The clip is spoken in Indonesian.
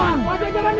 surga pada jarak